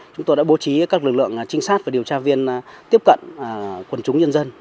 chúng tôi đã bố trí các lực lượng trinh sát và điều tra viên tiếp cận quần chúng nhân dân